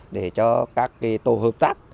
để cho các cái tổ hợp tác